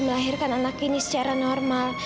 melahirkan anak ini secara normal